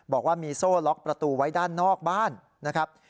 บอกว่ามีโซ่ล็อกประตูไว้ด้านนอกบ้านนะครับ